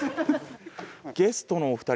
ゲストのお二人